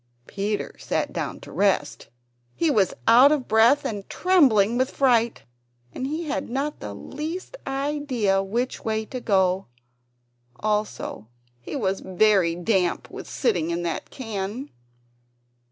Peter sat down to rest; he was out of breath and trembling with fright, and he had not the least idea which way to go. Also he was very damp with sitting in that can.